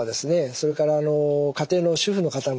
それから家庭の主婦の方もですね